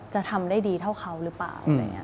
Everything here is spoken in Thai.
จะทำได้ดีเท่าเขาหรือเปล่า